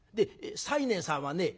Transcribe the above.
西念さんはね